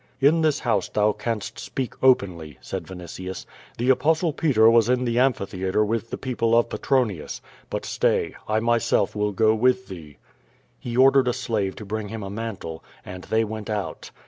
"In this house thou canst speak openly," said Vinitius. "The Apostle Peter was in the amphitheatre with the people of Petronius. But stay, I myself will go with thee." He ordered a slave to bring him a mantle, and they went out.